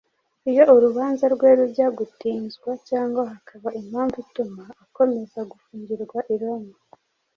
Iyo urubanza rwe rujya gutinzwa cyangwa hakaba impamvu ituma akomeza gufungirwa i Roma